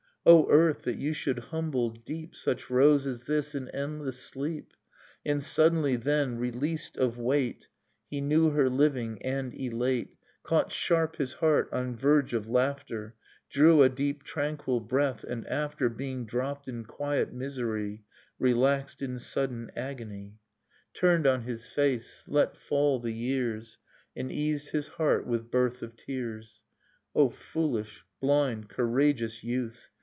O earth, that you should humble deep Such rose as this in endless sleep ! And suddenly then, released of weight, Nocturne of Remembered Spring He knew her living, and elate Caught sharp his heart on verge of laughter, Drew a deep tranquil breath, and after, Being dropped in quiet misery, Relaxed in sudden agony, Turned on his face, let fall the years, And eased his heart with birth of tears. O foolish, blind, courageous youth!